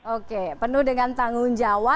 oke penuh dengan tanggung jawab